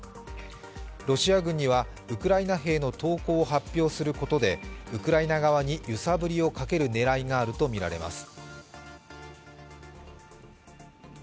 ロシア軍には、ウクライナ兵の投降を発表することでウクライナ側に揺さぶりをかける狙いがあるとみられます。